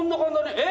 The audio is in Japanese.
えっ！